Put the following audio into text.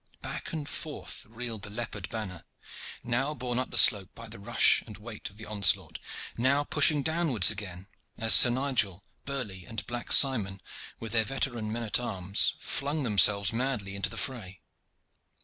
Back and forward reeled the leopard banner, now borne up the slope by the rush and weight of the onslaught, now pushing downwards again as Sir Nigel, Burley, and Black Simon with their veteran men at arms, flung themselves madly into the fray.